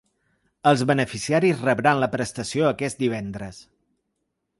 Els beneficiaris rebran la prestació aquest divendres.